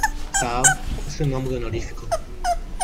Saw es su nombre honorífico.